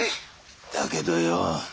だけどよ